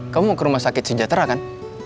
kamu ke rumah sakit sejahtera kan